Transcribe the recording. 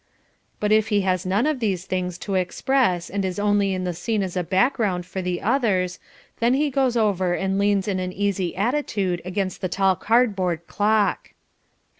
But if he has none of these things to express and is only in the scene as a background for the others, then he goes over and leans in an easy attitude against the tall cardboard clock.